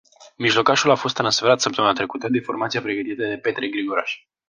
Mijlocașul a fost transferat săptămâna trecută, de formația pregătită de Petre Grigoraș.